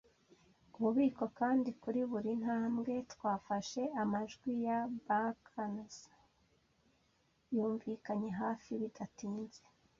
ububiko, kandi kuri buri ntambwe twafashe amajwi ya buccaneers yumvikanye hafi. Bidatinze